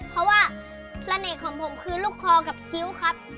เพราะว่าเสน่ห์ของผมคือลูกคอกับคิ้วครับ